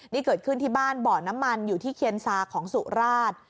นี่เกิดขึ้นที่บ้านบ่อน้ำมันอยู่ที่เคียนซาของสุราช